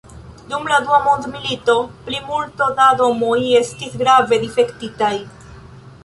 Dum la dua mondmilito plimulto da domoj estis grave difektitaj.